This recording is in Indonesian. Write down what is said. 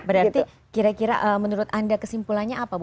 berarti kira kira menurut anda kesimpulannya apa bu